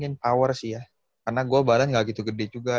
karena gue badan gak gitu gede juga